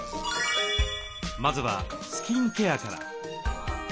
まずはスキンケアから。